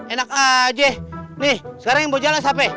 eh enak aja nih sekarang yang mau jalan siapa